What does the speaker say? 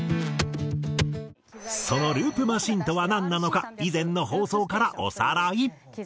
そのループマシンとはなんなのか以前の放送からおさらい。